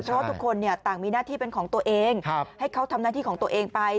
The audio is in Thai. เพราะว่าทุกคนต่างมีหน้าที่เป็นของตัวเองให้เขาทำหน้าที่ของตัวเองไป